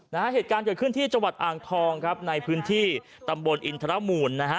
เหตุการณ์เกิดขึ้นที่จังหวัดอ่างทองครับในพื้นที่ตำบลอินทรมูลนะฮะ